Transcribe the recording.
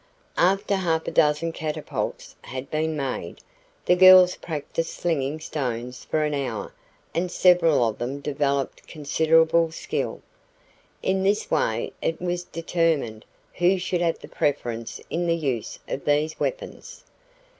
After half a dozen catapults had been made, the girls practiced slinging stones for an hour and several of them developed considerable skill. In this way it was determined who should have the preference in the use of these weapons.